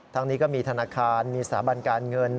นี้ก็มีธนาคารมีสถาบันการเงิน